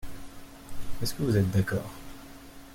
Est-ce que vous êtes d’accord?